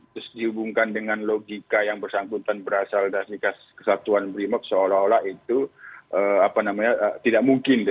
terus dihubungkan dengan logika yang bersangkutan berasal dari kesatuan brimop seolah olah itu tidak mungkin